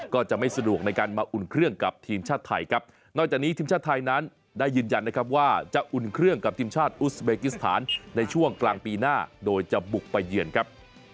ก็จะไม่สะดวกในการมาอุ่นเครื่องกับทีมชาติไทยครับนอกจากนี้ทีมชาติไทยนั้นได้ยืนยันนะครับว่าจะอุ่นเครื่องกับทีมชาติอุสเบกิสถานในช่วงกลางปีหน้าโดยจะบุกไปเยือนครับ